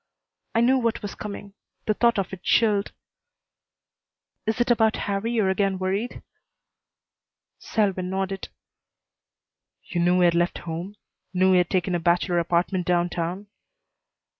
I knew what was coming. The thought of it chilled. "Is it about Harrie you are again worried?" Selwyn nodded. "You knew he had left home? Knew he had taken a bachelor apartment downtown?"